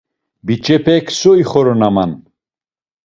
Biç̌epek so ixoronaman?